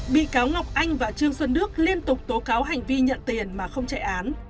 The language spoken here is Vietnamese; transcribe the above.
bị cáo ngọc anh và trương xuân đức liên tục tố cáo hành vi nhận tiền mà không chạy án